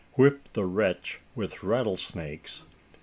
Whip the wretch with rattlesnakes!